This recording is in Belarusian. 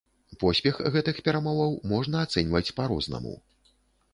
Поспех гэтых перамоваў можна ацэньваць па-рознаму.